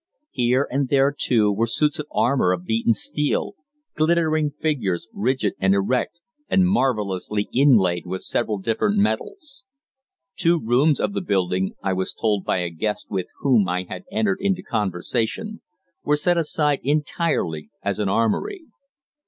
Here and there, too, were suits of armour of beaten steel glittering figures, rigid and erect and marvellously inlaid with several different metals. Two rooms of the building, I was told by a guest with whom I had entered into conversation, were set aside entirely as an armoury.